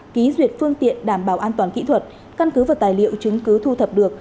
ký duyệt phương tiện đảm bảo an toàn kỹ thuật căn cứ và tài liệu chứng cứ thu thập được